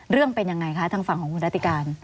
เรื่องเป็นยังไงคะทางฝั่งของคุณรัติการ